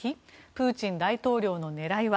プーチン大統領の狙いは。